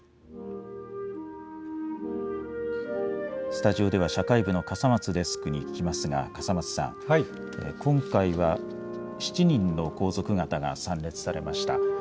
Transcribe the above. スタジオでは社会部の笠松デスクに聞きますが、笠松さん、今回は７人の皇族方が参列されました。